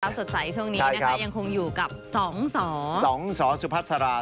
ช้าวสดใสช่วงนี้นะคะยังคงอยู่กับ๒สอร์๒สอร์สุพัศรา